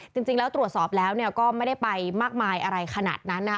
จริงแล้วตรวจสอบแล้วก็ไม่ได้ไปมากมายอะไรขนาดนั้นนะคะ